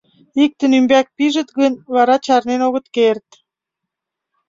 Иктын ӱмбак пижыт гын, вара чарнен огыт керт.